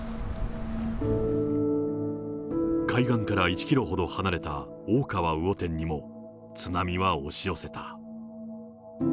海岸から１キロほど離れた大川魚店にも津波は押し寄せた。